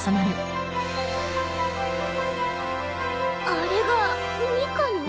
あれがミカの。